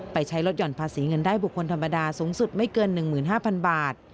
ใช้ลดห่อนภาษีเงินได้บุคคลธรรมดาสูงสุดไม่เกิน๑๕๐๐๐บาท